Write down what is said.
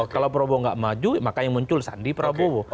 kalau prabowo nggak maju maka yang muncul sandi prabowo